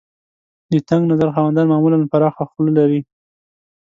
د تنګ نظر خاوندان معمولاً پراخه خوله لري.